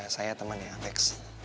saya teman ya alex